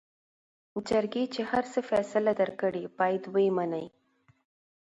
جرګې چې هر څه فيصله درکړې بايد وې منې.